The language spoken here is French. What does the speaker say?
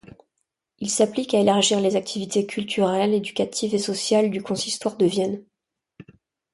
Il s'applique à élargir les activités culturelles, éducatives et sociales du consistoire de Vienne.